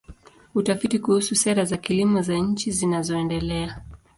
Utafiti kuhusu sera za kilimo za nchi zinazoendelea.